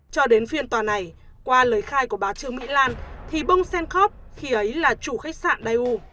cho đến phiên tòa này qua lời khai của bà trương mỹ lan thì bông sen khóc khi ấy là chủ khách sạn đài u